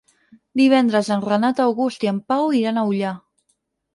Divendres en Renat August i en Pau iran a Ullà.